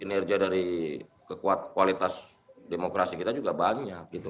kinerja dari kekuat kualitas demokrasi kita juga banyak